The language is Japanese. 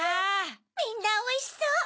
みんなおいしそう！